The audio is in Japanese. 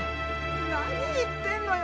何言ってんのよ！